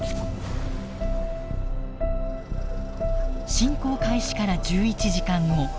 侵攻開始から１１時間後。